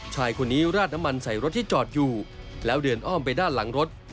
ชายคนนี้ราดน้ำมันใส่รถที่จอดอยู่แล้วเดินอ้อมไปด้านหลังรถ